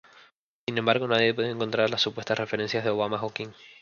Sin embargo, nadie ha podido encontrar las supuestas referencias de Obama a Joaquín.